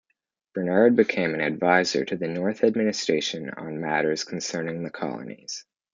Bernard became an advisor to the North administration on matters concerning the colonies.